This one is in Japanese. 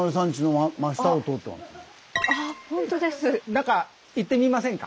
中行ってみませんか。